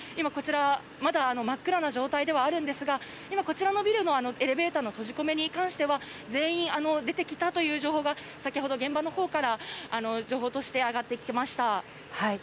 こちらは今まだ真っ暗な状態ではありますがこちらのビルのエレベーターの閉じ込めに関しては全員、出てきたという情報が先ほど、現場から情報が上がってきました。